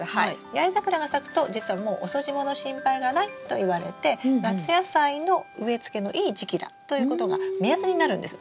八重桜が咲くと実はもう遅霜の心配がないといわれて夏野菜の植えつけのいい時期だということが目安になるんです。